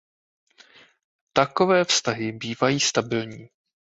Takové vztahy bývají stabilní.